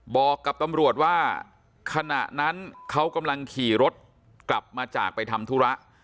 บอกกับตำรวจว่าขณะนั้นเขากำลังขี่รถกลับมาจากไปทำธุระ